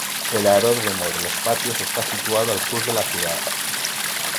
El Aeródromo de Los Patios está situado al sur de la ciudad.